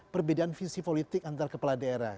perbedaan visi politik antar kepala daerah